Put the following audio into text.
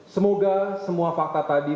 semoga semua fakta tadi